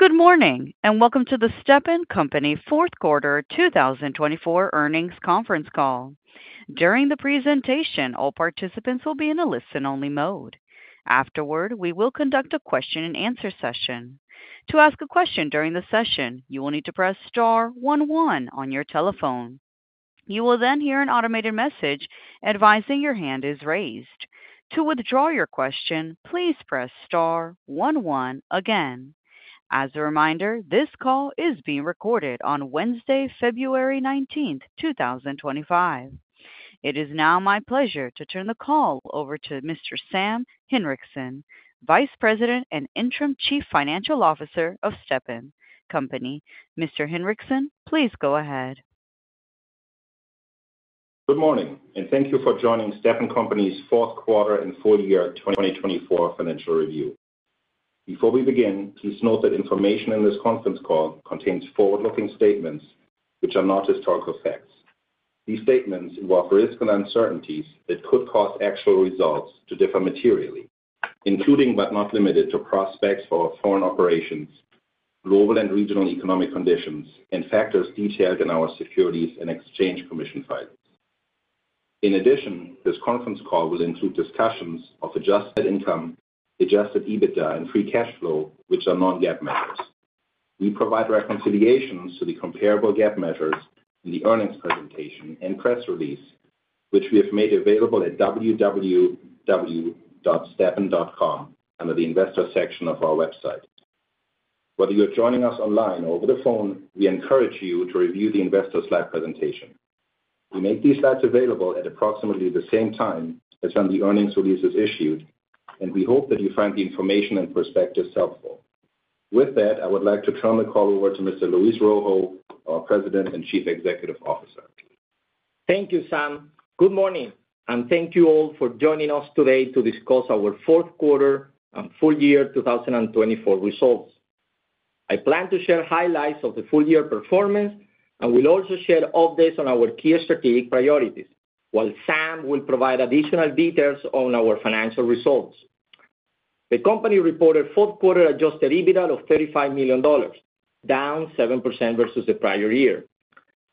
Good morning and welcome to the Stepan Company fourth quarter 2024 earnings conference call. During the presentation, all participants will be in a listen-only mode. Afterward, we will conduct a question-and-answer session. To ask a question during the session, you will need to press star one one on your telephone. You will then hear an automated message advising your hand is raised. To withdraw your question, please press star 11 again. As a reminder, this call is being recorded on Wednesday, February 19th, 2025. It is now my pleasure to turn the call over to Mr. Sam Hinrichsen, Vice President and Interim Chief Financial Officer of Stepan Company. Mr. Hinrichsen, please go ahead. Good morning and thank you for joining Stepan Company's fourth quarter and full year 2024 financial review. Before we begin, please note that information in this conference call contains forward-looking statements which are not historical facts. These statements involve risk and uncertainties that could cause actual results to differ materially, including but not limited to prospects for foreign operations, global and regional economic conditions, and factors detailed in our Securities and Exchange Commission filings. In addition, this conference call will include discussions of Adjusted Net Income, Adjusted EBITDA, and Free Cash Flow, which are non-GAAP measures. We provide reconciliations to the comparable GAAP measures in the earnings presentation and press release, which we have made available at www.stepan.com under the investor section of our website. Whether you're joining us online or over the phone, we encourage you to review the investor slide presentation. We make these slides available at approximately the same time as when the earnings release is issued, and we hope that you find the information and perspectives helpful. With that, I would like to turn the call over to Mr. Luis Rojo, our President and Chief Executive Officer. Thank you, Sam. Good morning, and thank you all for joining us today to discuss our fourth quarter and full year 2024 results. I plan to share highlights of the full year performance and will also share updates on our key strategic priorities, while Sam will provide additional details on our financial results. The company reported fourth quarter Adjusted EBITDA of $35 million, down 7% versus the prior year,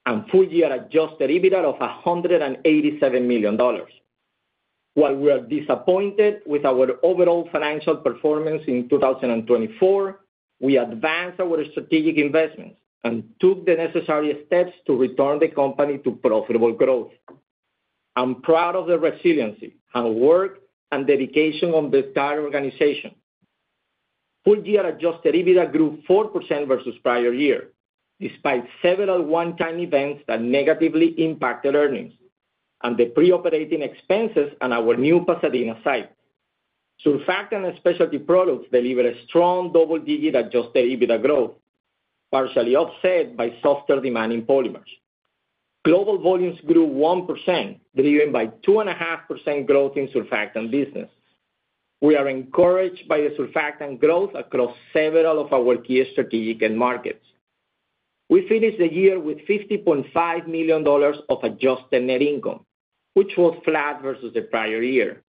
and full year Adjusted EBITDA of $187 million. While we are disappointed with our overall financial performance in 2024, we advanced our strategic investments and took the necessary steps to return the company to profitable growth. I'm proud of the resiliency and work and dedication of the entire organization. Full year Adjusted EBITDA grew 4% versus the prior year, despite several one-time events that negatively impacted earnings and the pre-operating expenses on our new Pasadena site. Surfactants and Specialty Products delivered strong double-digit Adjusted EBITDA growth, partially offset by softer demand in Polymers. Global volumes grew 1%, driven by 2.5% growth in Surfactants business. We are encouraged by the Surfactants growth across several of our key strategic markets. We finished the year with $50.5 million of Adjusted Net Income, which was flat versus the prior year.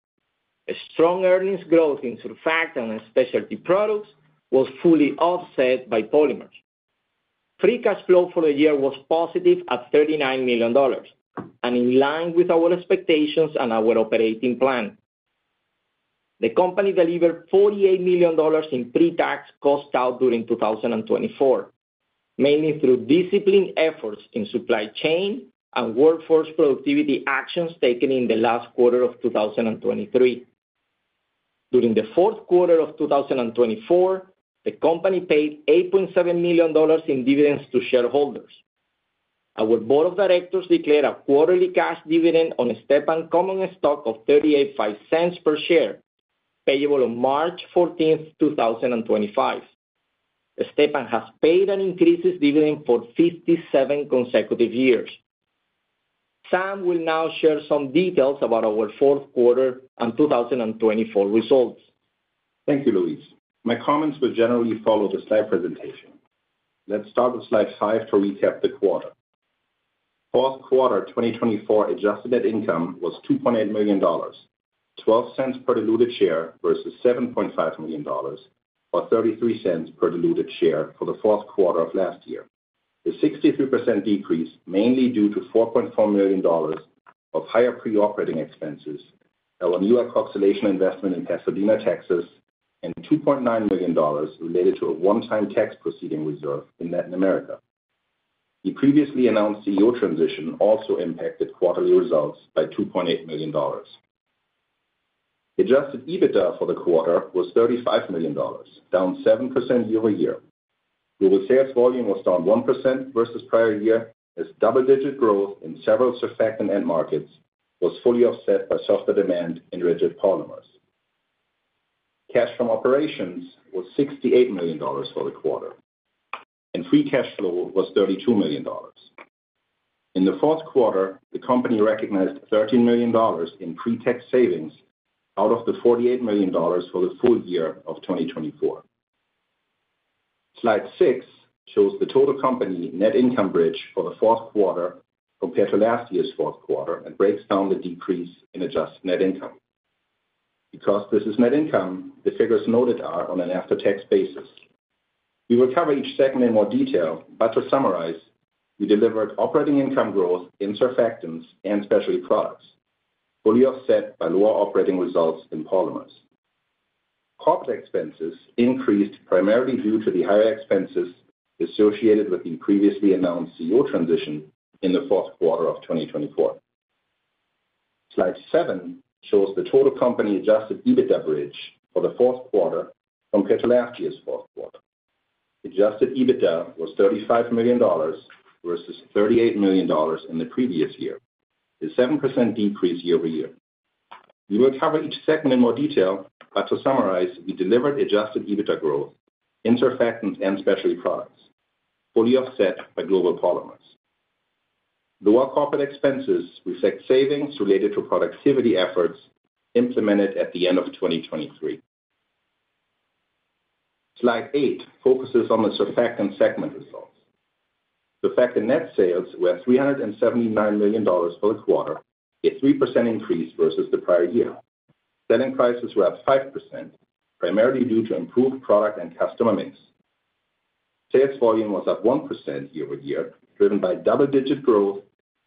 Strong earnings growth in Surfactants and Specialty Products was fully offset by Polymers. Free Cash Flow for the year was positive at $39 million, and in line with our expectations and our operating plan. The company delivered $48 million in pre-tax cost out during 2024, mainly through disciplined efforts in supply chain and workforce productivity actions taken in the last quarter of 2023. During the fourth quarter of 2024, the company paid $8.7 million in dividends to shareholders. Our Board of Directors declared a quarterly cash dividend on Stepan Common Stock of $0.385 per share, payable on March 14th, 2025. Stepan has paid and increased its dividend for 57 consecutive years. Sam will now share some details about our fourth quarter and 2024 results. Thank you, Luis. My comments will generally follow the slide presentation. Let's start with slide five to recap the quarter. Fourth quarter 2024 Adjusted Net Income was $2.8 million, $0.12 per diluted share versus $7.5 million or $0.33 per diluted share for the fourth quarter of last year. The 63% decrease was mainly due to $4.4 million of higher pre-operating expenses, our new alkoxylation investment in Pasadena, Texas, and $2.9 million related to a one-time tax proceeding reserve in Latin America. The previously announced CEO transition also impacted quarterly results by $2.8 million. Adjusted EBITDA for the quarter was $35 million, down 7% year-over-year. Global sales volume was down 1% versus the prior year, as double-digit growth in several surfactant end markets was fully offset by softer demand in rigid polyols. Cash from operations was $68 million for the quarter, and Free Cash Flow was $32 million. In the fourth quarter, the company recognized $13 million in pre-tax savings out of the $48 million for the full year of 2024. Slide six shows the total company net income bridge for the fourth quarter compared to last year's fourth quarter and breaks down the decrease in Adjusted Net Income. Because this is net income, the figures noted are on an after-tax basis. We will cover each segment in more detail, but to summarize, we delivered operating income growth in Surfactants and Specialty Products, fully offset by lower operating results in Polymers. Corporate expenses increased primarily due to the higher expenses associated with the previously announced CEO transition in the fourth quarter of 2024. Slide seven shows the total company Adjusted EBITDA bridge for the fourth quarter compared to last year's fourth quarter. Adjusted EBITDA was $35 million versus $38 million in the previous year, a 7% decrease year-over-year. We will cover each segment in more detail, but to summarize, we delivered Adjusted EBITDA growth in Surfactants and Specialty Products, fully offset by global Polymers. Lower corporate expenses reflect savings related to productivity efforts implemented at the end of 2023. Slide eight focuses on the Surfactants segment results. Surfactants net sales were $379 million for the quarter, a 3% increase versus the prior year. Selling prices were up 5%, primarily due to improved product and customer mix. Sales volume was up 1% year-over-year, driven by double-digit growth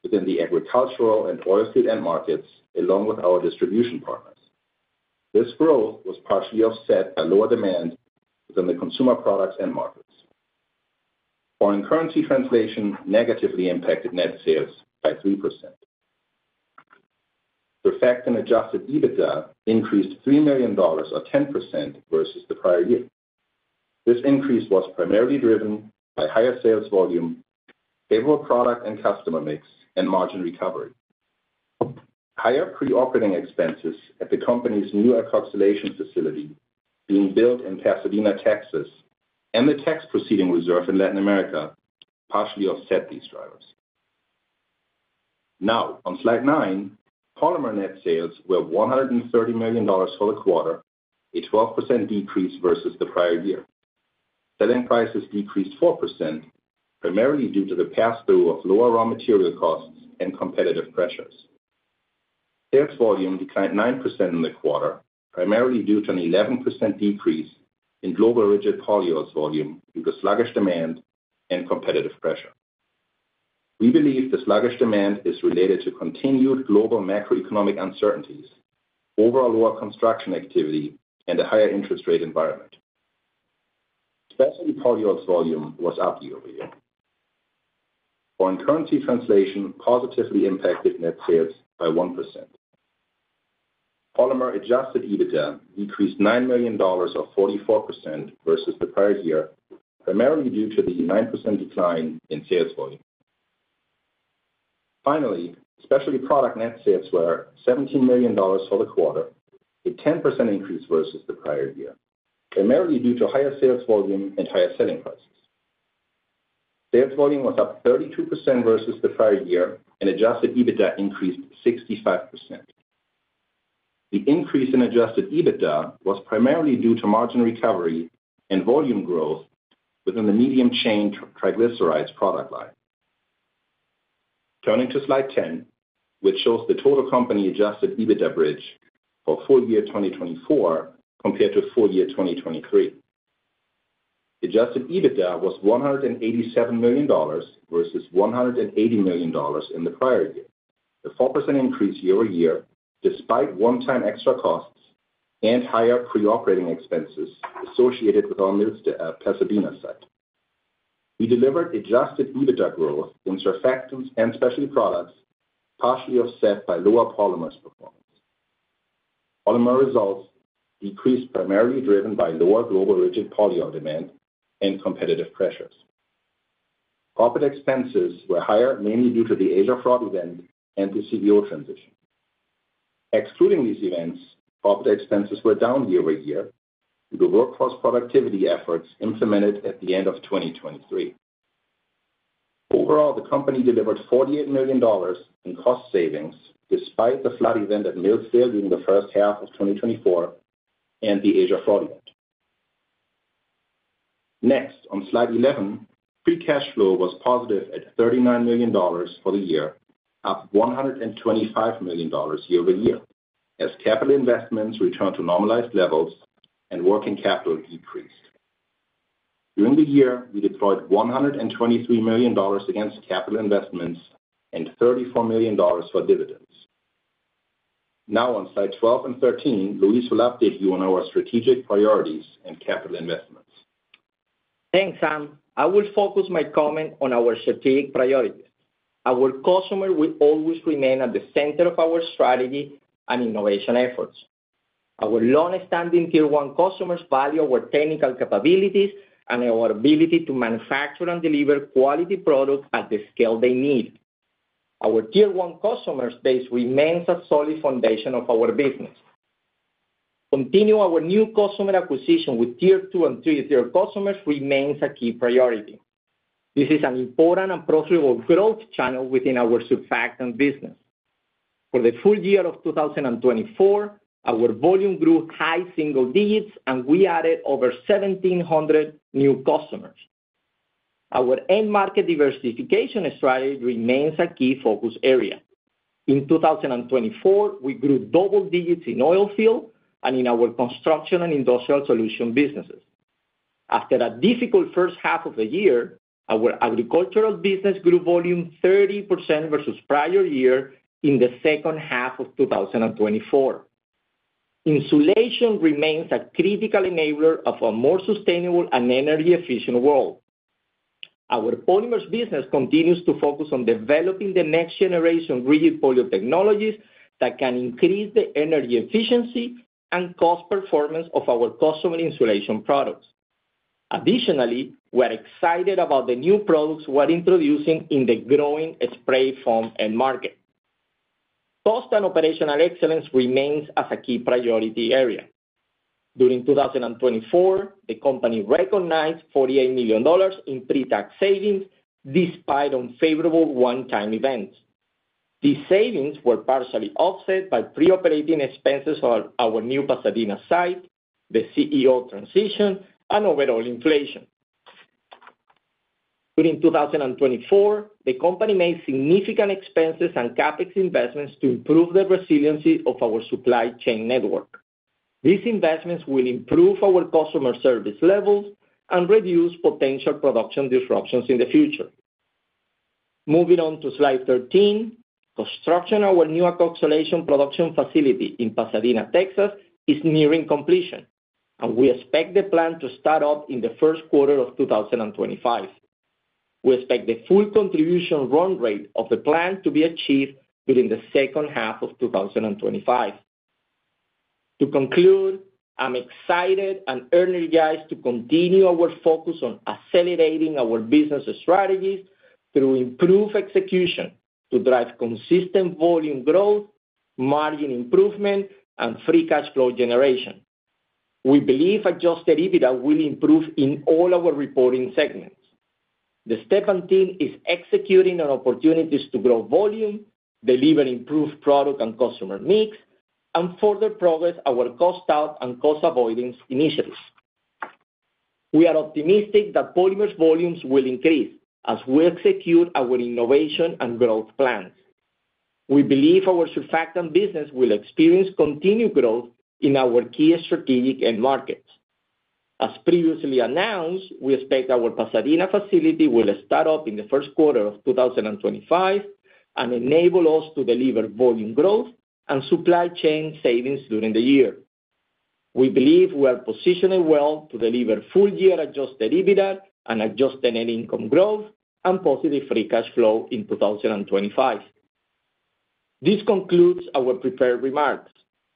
within the agricultural and oilfield end markets, along with our distribution partners. This growth was partially offset by lower demand within the consumer products end markets. Foreign currency translation negatively impacted net sales by 3%. Surfactants Adjusted EBITDA increased $3 million or 10% versus the prior year. This increase was primarily driven by higher sales volume, favorable product and customer mix, and margin recovery. Higher pre-operating expenses at the company's new alkoxylation facility being built in Pasadena, Texas, and the tax proceeding reserve in Latin America partially offset these drivers. Now, on slide nine, Polymers net sales were $130 million for the quarter, a 12% decrease versus the prior year. Selling prices decreased 4%, primarily due to the pass-through of lower raw material costs and competitive pressures. Sales volume declined 9% in the quarter, primarily due to an 11% decrease in global rigid polyols volume due to sluggish demand and competitive pressure. We believe the sluggish demand is related to continued global macroeconomic uncertainties, overall lower construction activity, and a higher interest rate environment. Specialty polyols volume was up year-over-year. Foreign currency translation positively impacted net sales by 1%. Polymers Adjusted EBITDA decreased $9 million or 44% versus the prior year, primarily due to the 9% decline in sales volume. Finally, Specialty Products net sales were $17 million for the quarter, a 10% increase versus the prior year, primarily due to higher sales volume and higher selling prices. Sales volume was up 32% versus the prior year, and Adjusted EBITDA increased 65%. The increase in Adjusted EBITDA was primarily due to margin recovery and volume growth within the medium-chain triglycerides product line. Turning to slide 10, which shows the total company Adjusted EBITDA bridge for full year 2024 compared to full year 2023. Adjusted EBITDA was $187 million versus $180 million in the prior year, a 4% increase year-over-year, despite one-time extra costs and higher pre-operating expenses associated with our Pasadena site. We delivered Adjusted EBITDA growth in Surfactants and Specialty Products, partially offset by lower polymer performance. Polymer results decreased primarily driven by lower global rigid polyol demand and competitive pressures. Corporate expenses were higher, mainly due to the Asia fraud event and the CEO transition. Excluding these events, corporate expenses were down year-over-year due to workforce productivity efforts implemented at the end of 2023. Overall, the company delivered $48 million in cost savings despite the flood event at Millsdale during the first half of 2024 and the Asia fraud event. Next, on slide 11, Free Cash Flow was positive at $39 million for the year, up $125 million year-over-year, as capital investments returned to normalized levels and working capital decreased. During the year, we deployed $123 million against capital investments and $34 million for dividends. Now, on slide 12 and 13, Luis will update you on our strategic priorities and capital investments. Thanks, Sam. I will focus my comment on our strategic priorities. Our customers will always remain at the center of our strategy and innovation efforts. Our long-standing Tier 1 customers value our technical capabilities and our ability to manufacture and deliver quality products at the scale they need. Our Tier 1 customer base remains a solid foundation of our business. Continuing our new customer acquisition with Tier 2 and Tier 3 customers remains a key priority. This is an important and profitable growth channel within our Surfactant business. For the full year of 2024, our volume grew high single digits, and we added over 1,700 new customers. Our end market diversification strategy remains a key focus area. In 2024, we grew double digits in oilfield and in our Construction and Industrial Solutions businesses. After a difficult first half of the year, our Agricultural business grew volume 30% versus the prior year in the second half of 2024. Insulation remains a critical enabler of a more sustainable and energy-efficient world. Our Polymers business continues to focus on developing the rigid polyol technologies that can increase the energy efficiency and cost performance of our customer insulation products. Additionally, we are excited about the new products we are introducing in the growing spray foam end market. Cost and operational excellence remains as a key priority area. During 2024, the company recognized $48 million in pre-tax savings despite unfavorable one-time events. These savings were partially offset by pre-operating expenses on our new Pasadena site, the CEO transition, and overall inflation. During 2024, the company made significant expenses and CapEx investments to improve the resiliency of our supply chain network. These investments will improve our customer service levels and reduce potential production disruptions in the future. Moving on to slide 13, construction at our new alkoxylation production facility in Pasadena, Texas, is nearing completion, and we expect the plant to start up in the first quarter of 2025. We expect the full contribution run rate of the plant to be achieved during the second half of 2025. To conclude, I'm excited and energized to continue our focus on accelerating our business strategies through improved execution to drive consistent volume growth, margin improvement, and Free Cash Flow generation. We believe Adjusted EBITDA will improve in all our reporting segments. The Stepan team is executing on opportunities to grow volume, deliver improved product and customer mix, and further progress our cost out and cost avoidance initiatives. We are optimistic that polymer volumes will increase as we execute our innovation and growth plans. We believe our Surfactants business will experience continued growth in our key strategic end markets. As previously announced, we expect our Pasadena facility will start up in the first quarter of 2025 and enable us to deliver volume growth and supply chain savings during the year. We believe we are positioned well to deliver full-year Adjusted EBITDA and Adjusted Net Income growth and positive Free Cash Flow in 2025. This concludes our prepared remarks.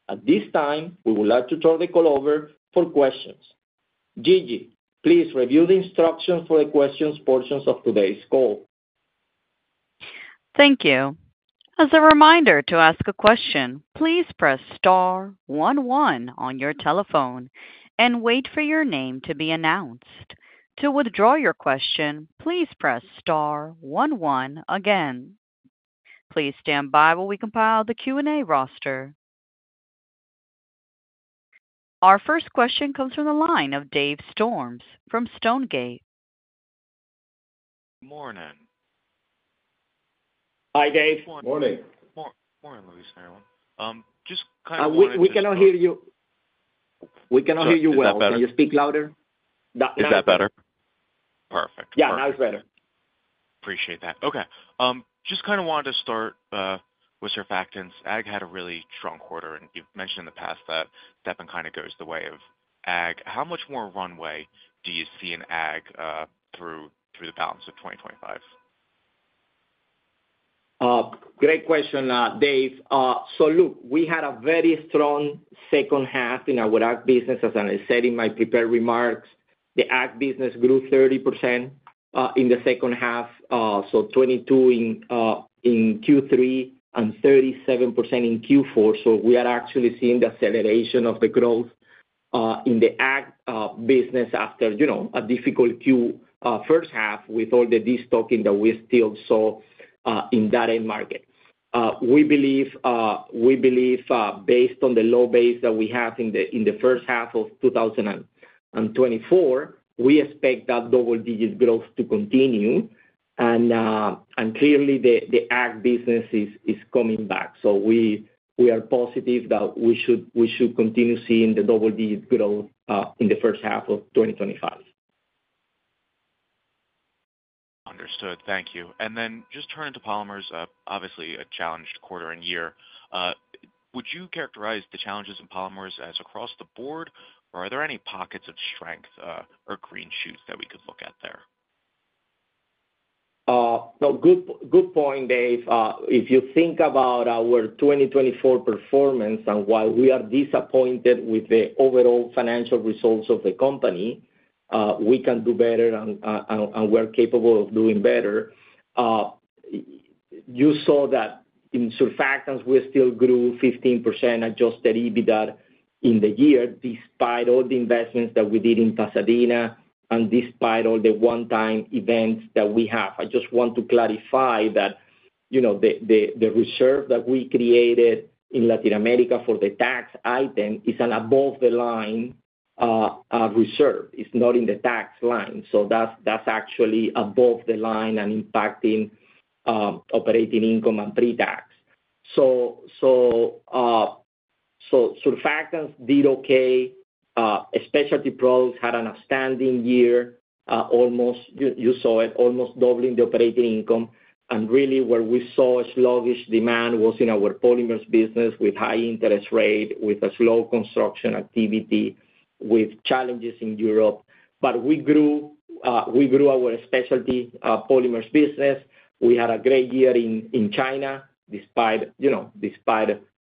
At this time, we would like to turn the call over for questions. Gigi, please review the instructions for the questions portions of today's call. Thank you. As a reminder to ask a question, please press star one one on your telephone and wait for your name to be announced. To withdraw your question, please press star one one again. Please stand by while we compile the Q&A roster. Our first question comes from the line of Dave Storms from Stonegate. Good morning. Hi, Dave. Morning. Morning, Luis and Sam. Just kind of wanted to. We cannot hear you. We cannot hear you well. Can you speak louder? Is that better? Perfect. Yeah, now it's better. Appreciate that. Okay. Just kind of wanted to start with Surfactants. Ag had a really strong quarter, and you've mentioned in the past that Stepan kind of goes the way of Ag. How much more runway do you see in Ag through the balance of 2025? Great question, Dave. So look, we had a very strong second half in our Ag business, as I said in my prepared remarks. The Ag business grew 30% in the second half, so 22% in Q3 and 37% in Q4. So we are actually seeing the acceleration of the growth in the Ag business after a difficult Q1 half with all the destocking that we still saw in that end market. We believe, based on the low base that we have in the first half of 2024, we expect that double-digit growth to continue. And clearly, the Ag business is coming back. So we are positive that we should continue seeing the double-digit growth in the first half of 2025. Understood. Thank you. And then just turning to Polymers, obviously a challenged quarter and year. Would you characterize the challenges in Polymers as across the board, or are there any pockets of strength or green shoots that we could look at there? Good point, Dave. If you think about our 2024 performance and why we are disappointed with the overall financial results of the company, we can do better, and we're capable of doing better. You saw that in Surfactants, we still grew 15% Adjusted EBITDA in the year despite all the investments that we did in Pasadena and despite all the one-time events that we have. I just want to clarify that the reserve that we created in Latin America for the tax item is an above-the-line reserve. It's not in the tax line. So that's actually above the line and impacting operating income and pre-tax. So Surfactants did okay. Specialty Products had an outstanding year, almost, you saw it, almost doubling the operating income. Really, where we saw a sluggish demand was in our Polymers business with high interest rate, with a slow construction activity, with challenges in Europe. We grew our Specialty Polymers business. We had a great year in China. Despite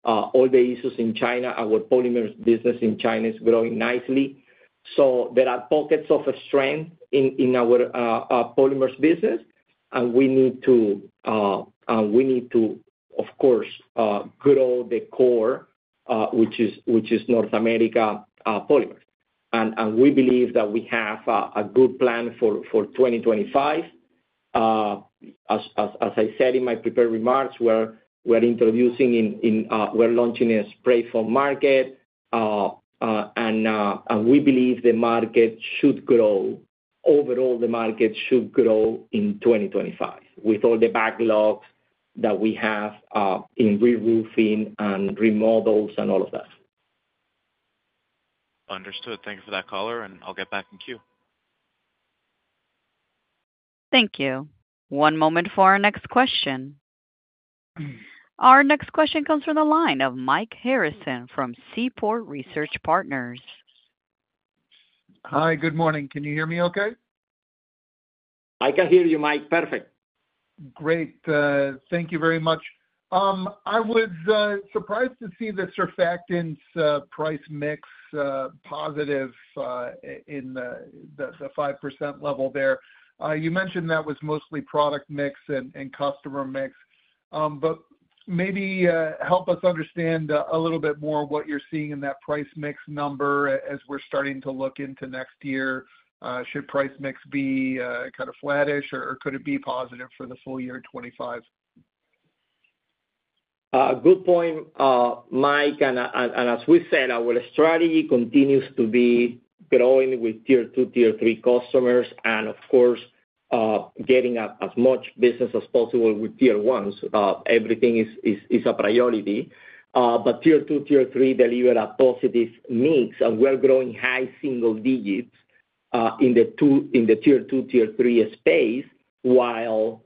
all the issues in China, our Polymers business in China is growing nicely. There are pockets of strength in our Polymers business, and we need to, and we need to, of course, grow the core, which is North America polymers. We believe that we have a good plan for 2025. As I said in my prepared remarks, we're introducing, we're launching a spray foam market, and we believe the market should grow, overall the market should grow in 2025 with all the backlogs that we have in reroofing and remodels and all of that. Understood. Thank you for that color, and I'll get back in queue. Thank you. One moment for our next question. Our next question comes from the line of Mike Harrison from Seaport Research Partners. Hi, good morning. Can you hear me okay? I can hear you, Mike. Perfect. Great. Thank you very much. I was surprised to see the surfactants price mix positive in the 5% level there. You mentioned that was mostly product mix and customer mix. But maybe help us understand a little bit more what you're seeing in that price mix number as we're starting to look into next year. Should price mix be kind of flattish, or could it be positive for the full year 2025? Good point, Mike. And as we said, our strategy continues to be growing with Tier 2, Tier 3 customers, and of course, getting as much business as possible with Tier 1. Everything is a priority. But Tier 2, Tier 3 deliver a positive mix, and we're growing high single digits in the Tier 2, Tier 3 space while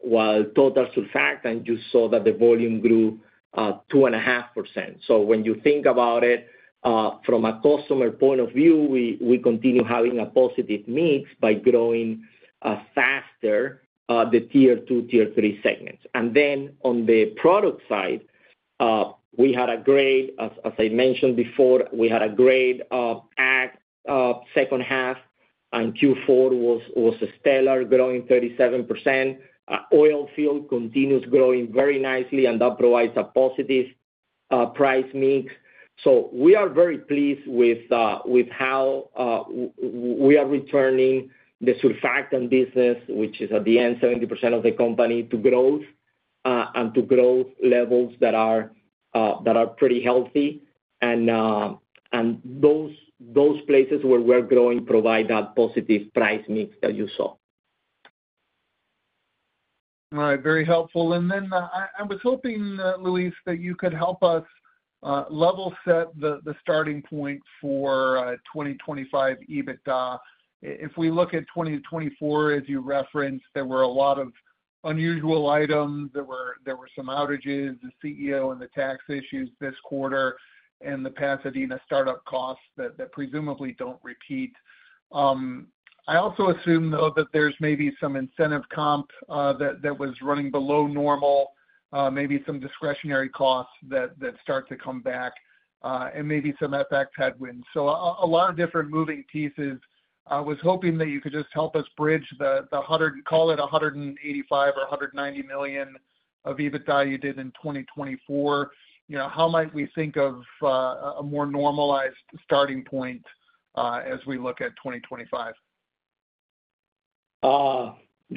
total Surfactants, you saw that the volume grew 2.5%. So when you think about it, from a customer point of view, we continue having a positive mix by growing faster the Tier 2, Tier 3 segments. And then on the product side, we had a great, as I mentioned before, we had a great Ag second half, and Q4 was stellar, growing 37%. Oilfield continues growing very nicely, and that provides a positive price mix. So we are very pleased with how we are returning the Surfactant business, which is, at the end, 70% of the company to growth and to growth levels that are pretty healthy. And those places where we're growing provide that positive price mix that you saw. All right. Very helpful. And then I was hoping, Luis, that you could help us level set the starting point for 2025 EBITDA. If we look at 2024, as you referenced, there were a lot of unusual items. There were some outages, the CEO search and the tax issues this quarter, and the Pasadena startup costs that presumably don't repeat. I also assume, though, that there's maybe some incentive comp that was running below normal, maybe some discretionary costs that start to come back, and maybe some FX headwinds. So a lot of different moving pieces. I was hoping that you could just help us bridge the, call it $185 million or $190 million of EBITDA you did in 2024. How might we think of a more normalized starting point as we look at 2025?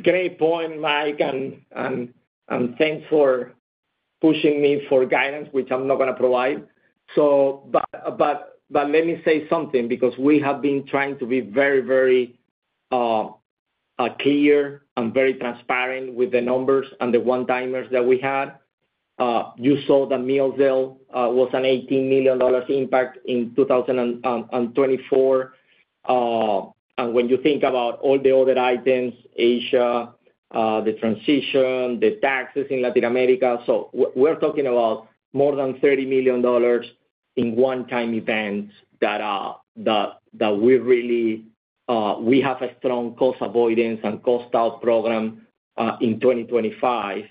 Great point, Mike. And thanks for pushing me for guidance, which I'm not going to provide. But let me say something because we have been trying to be very, very clear and very transparent with the numbers and the one-timers that we had. You saw that Millsdale was an $18 million impact in 2024. And when you think about all the other items, Asia, the transition, the taxes in Latin America, so we're talking about more than $30 million in one-time events that we really have a strong cost avoidance and cost out program in 2025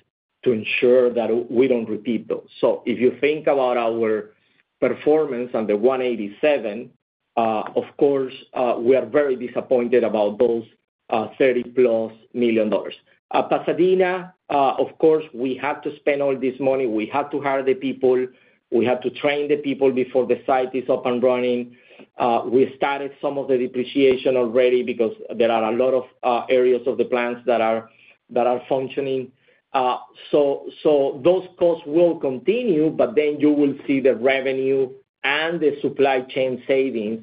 to ensure that we don't repeat those. So if you think about our performance and the 187, of course, we are very disappointed about those $30+ million dollars. Pasadena, of course, we had to spend all this money. We had to hire the people. We had to train the people before the site is up and running. We started some of the depreciation already because there are a lot of areas of the plants that are functioning. So those costs will continue, but then you will see the revenue and the supply chain savings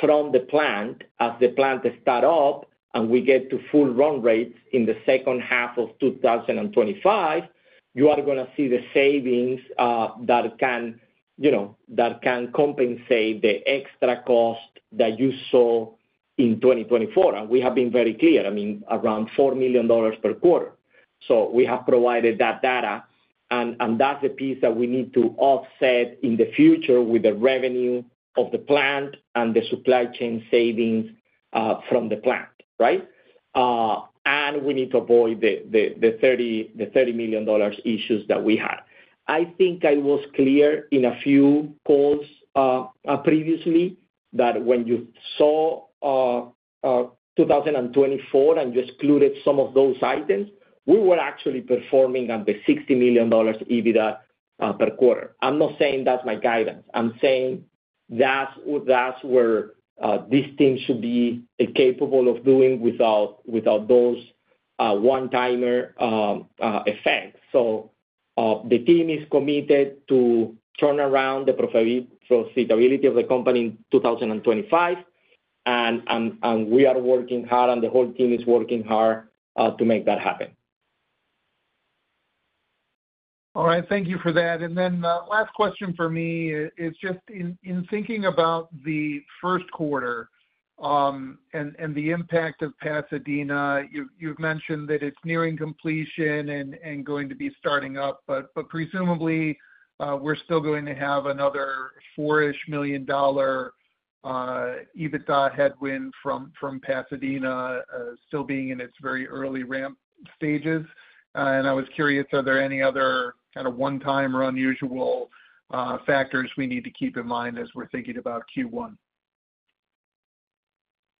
from the plant as the plant starts up and we get to full run rates in the second half of 2025. You are going to see the savings that can compensate the extra cost that you saw in 2024. And we have been very clear, I mean, around $4 million per quarter. So we have provided that data, and that's the piece that we need to offset in the future with the revenue of the plant and the supply chain savings from the plant, right? And we need to avoid the $30 million issues that we had. I think I was clear in a few calls previously that when you saw 2024 and you excluded some of those items, we were actually performing at the $60 million EBITDA per quarter. I'm not saying that's my guidance. I'm saying that's where this team should be capable of doing without those one-timer effects. So the team is committed to turn around the profitability of the company in 2025, and we are working hard, and the whole team is working hard to make that happen. All right. Thank you for that. And then last question for me is just in thinking about the first quarter and the impact of Pasadena, you've mentioned that it's nearing completion and going to be starting up, but presumably we're still going to have another $4 million EBITDA headwind from Pasadena still being in its very early ramp stages. And I was curious, are there any other kind of one-time or unusual factors we need to keep in mind as we're thinking about Q1?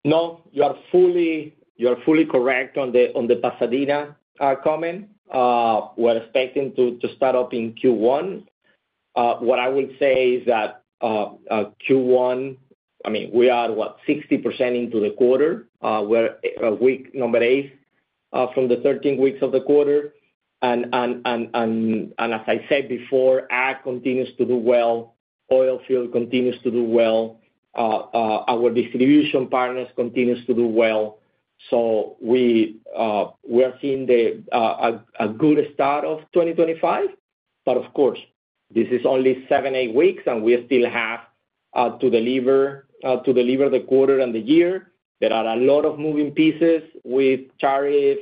No, you are fully correct on the Pasadena comment. We're expecting to start up in Q1. What I will say is that Q1, I mean, we are, what, 60% into the quarter. We're week number eight from the 13 weeks of the quarter, and as I said before, Ag continues to do well. Oilfield continues to do well. Our distribution partners continue to do well, so we are seeing a good start of 2025, but of course, this is only seven, eight weeks, and we still have to deliver the quarter and the year. There are a lot of moving pieces with tariff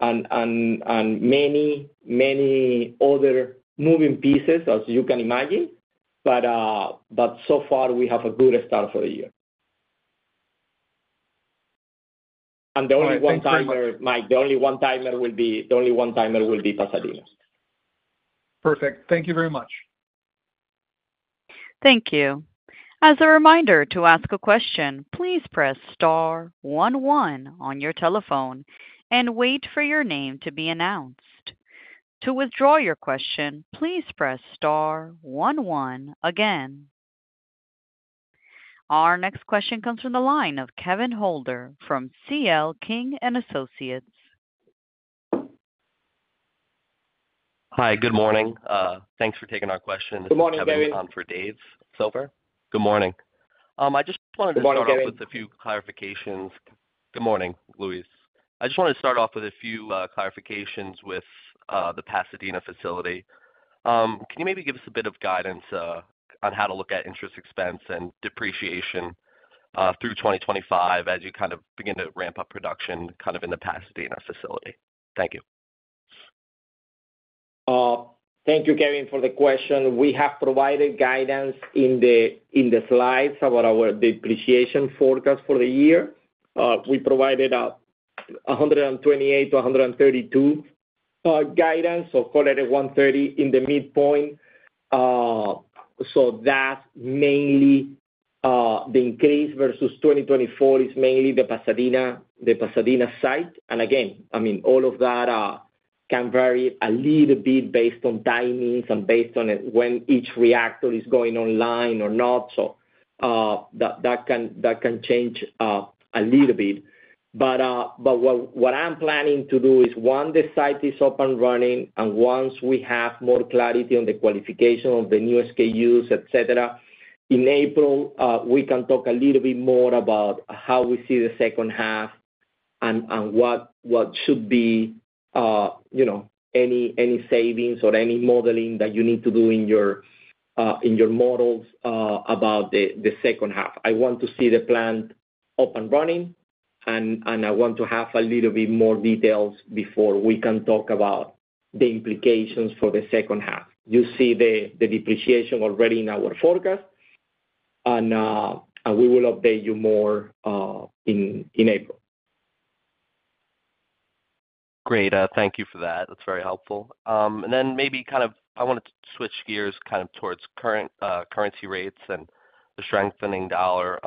and many, many other moving pieces, as you can imagine, but so far, we have a good start for the year, and the only one-timer, Mike, will be Pasadena. Perfect. Thank you very much. Thank you. As a reminder to ask a question, please press star one one on your telephone and wait for your name to be announced. To withdraw your question, please press star one one again. Our next question comes from the line of Kevin Holder from C.L. King & Associates. Hi, good morning. Thanks for taking our question. Good morning, Kevin. This is for Dave Silver. Good morning. Good morning Kevin. I just wanted to start off with a few clarifications. Good morning, Luis. I just wanted to start off with a few clarifications with the Pasadena facility. Can you maybe give us a bit of guidance on how to look at interest expense and depreciation through 2025 as you kind of begin to ramp up production kind of in the Pasadena facility? Thank you. Thank you, Kevin, for the question. We have provided guidance in the slides about our depreciation forecast for the year. We provided $128-$132 guidance, so call it a $130 in the midpoint, so that's mainly the increase versus 2024 is mainly the Pasadena site, and again, I mean, all of that can vary a little bit based on timings and based on when each reactor is going online or not, so that can change a little bit, but what I'm planning to do is once the site is up and running and once we have more clarity on the qualification of the new SKUs, etc., in April, we can talk a little bit more about how we see the second half and what should be any savings or any modeling that you need to do in your models about the second half. I want to see the plant up and running, and I want to have a little bit more details before we can talk about the implications for the second half. You see the depreciation already in our forecast, and we will update you more in April. Great. Thank you for that. That's very helpful. And then maybe kind of I wanted to switch gears kind of towards current currency rates and the strengthening dollar.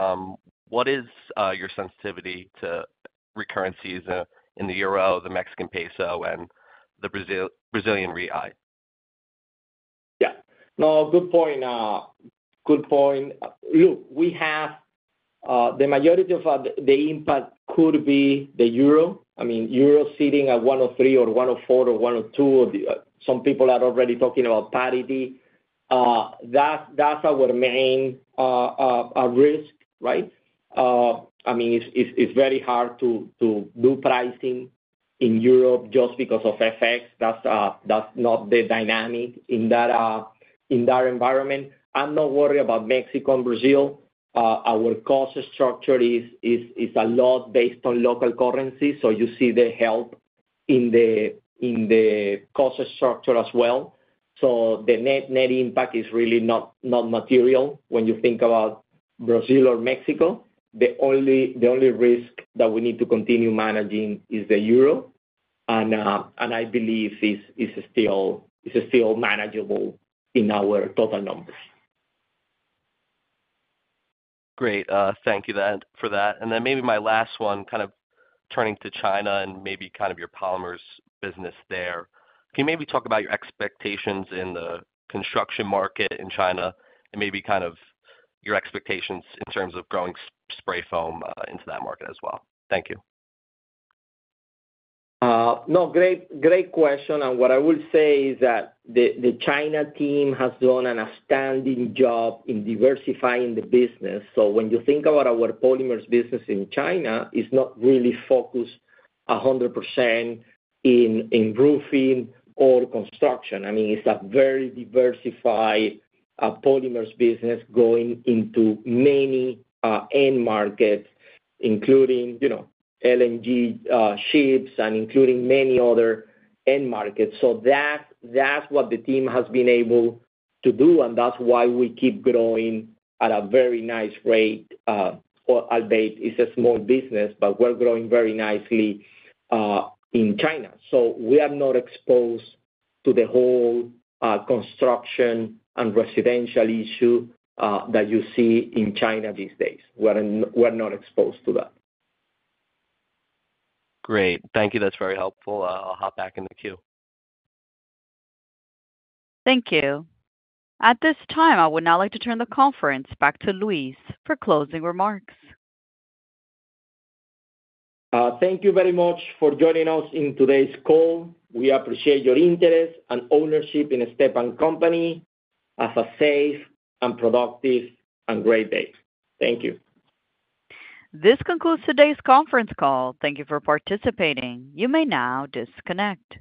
What is your sensitivity to currencies in the euro, the Mexican peso, and the Brazilian real? Yeah. No, good point. Good point. Look, we have the majority of the impact could be the euro. I mean, euro sitting at 103 or 104 or 102. Some people are already talking about parity. That's our main risk, right? I mean, it's very hard to do pricing in Europe just because of FX. That's not the dynamic in that environment. I'm not worried about Mexico and Brazil. Our cost structure is a lot based on local currency. So you see the help in the cost structure as well. So the net impact is really not material when you think about Brazil or Mexico. The only risk that we need to continue managing is the euro. And I believe it's still manageable in our total numbers. Great. Thank you for that. And then maybe my last one, kind of turning to China and maybe kind of your Polymers business there. Can you maybe talk about your expectations in the construction market in China and maybe kind of your expectations in terms of growing spray foam into that market as well? Thank you. No, great question, and what I will say is that the China team has done an outstanding job in diversifying the business, so when you think about our Polymers business in China, it's not really focused 100% in roofing or construction. I mean, it's a very diversified Polymers business going into many end markets, including LNG ships and including many other end markets, so that's what the team has been able to do, and that's why we keep growing at a very nice rate. Albeit it's a small business, but we're growing very nicely in China, so we are not exposed to the whole construction and residential issue that you see in China these days. We're not exposed to that. Great. Thank you. That's very helpful. I'll hop back in the queue. Thank you. At this time, I would now like to turn the conference back to Luis for closing remarks. Thank you very much for joining us in today's call. We appreciate your interest and ownership in Stepan Company. Have a safe and productive and great day. Thank you. This concludes today's conference call. Thank you for participating. You may now disconnect.